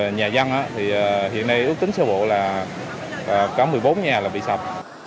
nhà dân thì hiện nay ước tính sơ bộ là có một mươi bốn nhà là bị sập